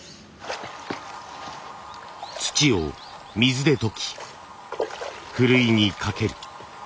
土を水で溶きふるいにかける。